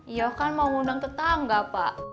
iya kan mau ngundang tetangga pak